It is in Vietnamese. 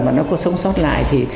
mà nó có sống sót lại thì